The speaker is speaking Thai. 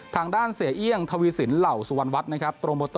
ทางด้านเสียเอี่ยงทวีสินเหล่าสุวรรณวัฒน์นะครับ